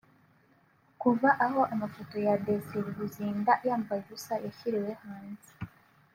Kuva aho amafoto ya Desire Luzinda yambaye ubusa yashyiriwe hanze